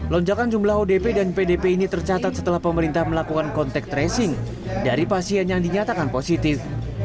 lonjakan jumlah odp dan pdp ini tercatat setelah pemerintah melakukan kontak tracing dari pasien yang dinyatakan positif